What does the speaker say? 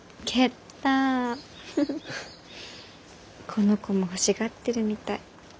この子も欲しがってるみたい。